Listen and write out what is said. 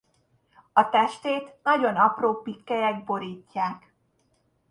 A testét nagyon apró pikkelyek borítják.